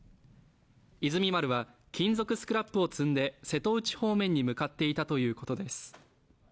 「いずみ丸」は金属スクラップを積んで瀬戸内方面に向かっていたということです。